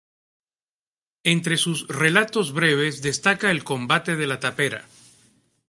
Entre sus relatos breves destaca El combate de la tapera.